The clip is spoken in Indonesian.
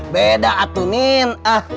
beda atu nin